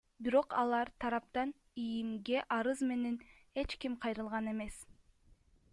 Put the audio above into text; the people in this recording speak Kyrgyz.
Бирок алар тараптан ИИМге арыз менен эч ким кайрылган эмес.